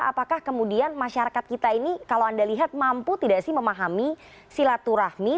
apakah kemudian masyarakat kita ini kalau anda lihat mampu tidak sih memahami silaturahmi